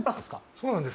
そうなんです。